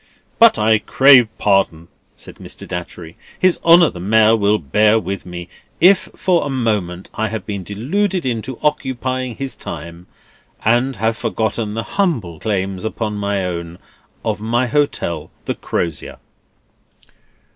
"But I crave pardon," said Mr. Datchery. "His Honour the Mayor will bear with me, if for a moment I have been deluded into occupying his time, and have forgotten the humble claims upon my own, of my hotel, the Crozier."